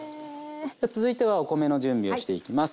続いてはお米の準備をしていきます。